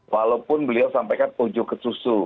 walaupun beliau sampaikan ujuk ke susu